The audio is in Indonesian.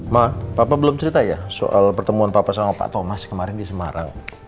ma bapak belum cerita ya soal pertemuan papa sama pak thomas kemarin di semarang